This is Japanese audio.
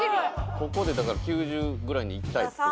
ここでだから９０ぐらいにいきたいですけど。